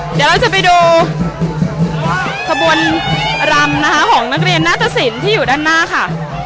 เดี๋ยวเราจะไปดูขบวนรำนะคะของนักเรียนนาตสินที่อยู่ด้านหน้าค่ะ